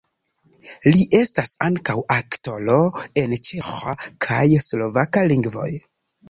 Li estas ankaŭ aktoro en ĉeĥa kaj slovaka lingvoj.